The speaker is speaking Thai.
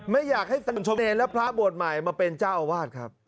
ไม่อยากให้เนรและพระบวชใหม่มาเป็นเจ้าอาวาสครับ